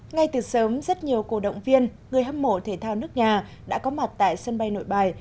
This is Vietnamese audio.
ngay từ sớm rất nhiều cổ động viên người hâm mộ thể thao nước nhà đã có mặt tại sân bay nội bài